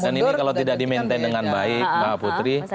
dan ini kalau tidak di maintain dengan baik mbak putri